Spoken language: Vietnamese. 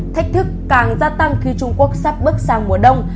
thách thức càng gia tăng khi trung quốc sắp bước sang mùa đông